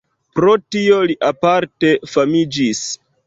Pro tio li aparte famiĝis.